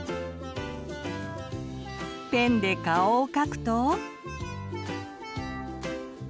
ペンで顔を描くと。